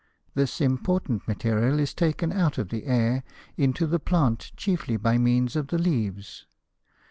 This important material is taken out of the air into the plant chiefly by means of the leaves.